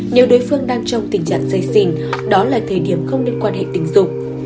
nếu đối phương đang trong tình trạng dây xình đó là thời điểm không nên quan hệ tình dục